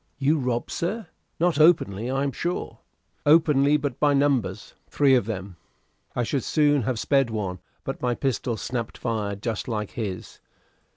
"You robbed, sir? Not openly, I am sure." "Openly but by numbers three of them. I should soon have sped one, but my pistol snapped fire just like his.